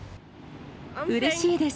うれしいです。